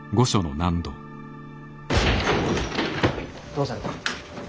どうされた。